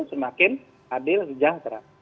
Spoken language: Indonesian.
semakin adil dan sejahtera